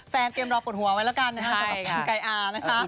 เตรียมรอปวดหัวไว้แล้วกันนะคะสำหรับแอนไก่อานะคะ